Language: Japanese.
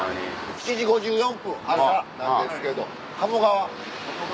７時５４分朝なんですけど鴨川。